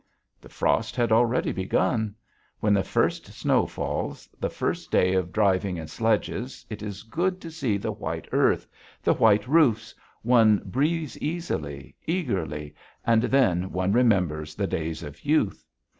The frost had already begun. When the first snow falls, the first day of driving in sledges, it is good to see the white earth, the white roofs; one breathes easily, eagerly, and then one remembers the days of youth.